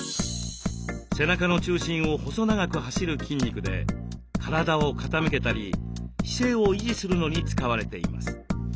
背中の中心を細長く走る筋肉で体を傾けたり姿勢を維持するのに使われています。